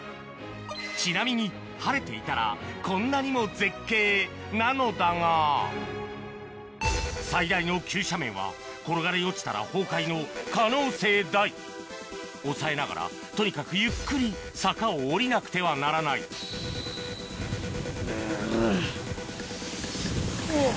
ちなみに晴れていたらこんなにも絶景なのだが最大の急斜面は転がり落ちたら崩壊の可能性大押さえながらとにかくゆっくり坂を下りなくてはならないおっ！